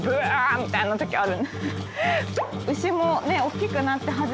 みたいなときある。